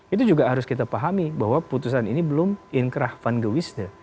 itu juga harus kita pahami bahwa putusan ini belum inkrah van gewisde